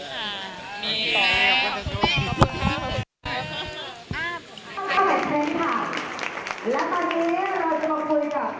ขอบคุณครับ